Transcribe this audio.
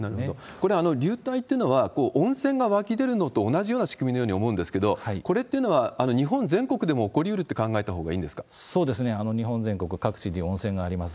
これ、流体っていうのは、温泉が湧き出るのと同じような仕組みのように思うんですけど、これっていうのは、日本全国でも起こりうるって考えたほうそうですね、日本全国各地に温泉があります。